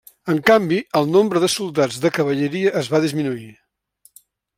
En canvi el nombre de soldats de cavalleria es va disminuir.